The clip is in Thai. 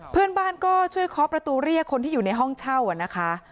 เพื่อนบ้านก็ช่วยเคาะประตูเรียกคนที่อยู่ในห้องเช่านะคะ